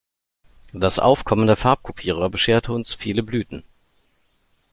Das Aufkommen der Farbkopierer bescherte uns viele Blüten.